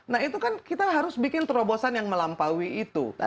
nah itu kan kita harus bikin terobosan yang melampaui itu